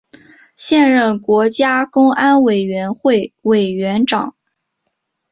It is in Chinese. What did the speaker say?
现任国家公安委员会委员长。